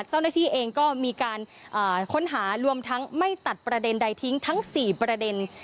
เจ้าหน้าที่เองก็มีการค้นหารวมทั้งไม่ตัดประเด็นใดทิ้งทั้ง๔ประเด็น